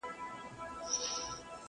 هره توره، هر میدان، او تورزن زما دی،